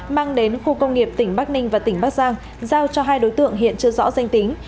mang đến khu công nghiệp tỉnh bắc ninh và tỉnh bắc giang giao cho hai đối tượng hiện chưa rõ danh tính